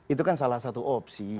itu kan salah satu opsi